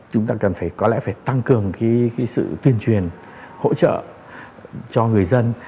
chúng ta có lẽ phải tăng cường sự tuyên truyền hỗ trợ cho người dân